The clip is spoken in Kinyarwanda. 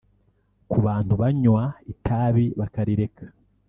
ku bantu banywa itabi bakarireka